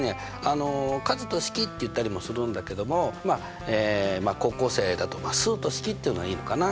「数と式」って言ったりもするんだけどもまあ高校生だと「数と式」って言うのがいいのかな。